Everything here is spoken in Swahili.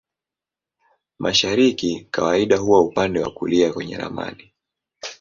Mashariki kawaida huwa upande wa kulia kwenye ramani.